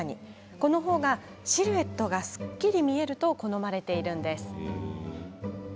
この方がシルエットがすっきり見えると好まれているんです。